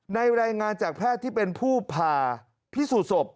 รายงานจากแพทย์ที่เป็นผู้ผ่าพิสูจน์ศพ